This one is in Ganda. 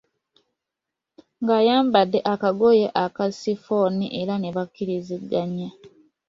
ng’ayambadde akagoye aka sifoni era ne bakkiriziganya.